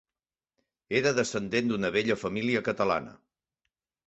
Era descendent d'una vella família catalana.